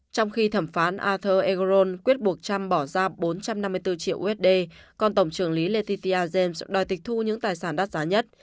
trong khi thẩm phán ather egron quyết buộc trump bỏ ra bốn trăm năm mươi bốn triệu usd còn tổng trưởng lý letitia james đòi tịch thu những tài sản đắt giá nhất